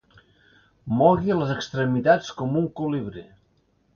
Mogui les extremitats com un colibrí.